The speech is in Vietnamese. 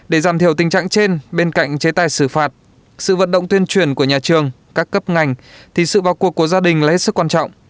để giảm thiểu tình trạng trên bên cạnh chế tài xử phạt sự vận động tuyên truyền của nhà trường các cấp ngành thì sự vào cuộc của gia đình là hết sức quan trọng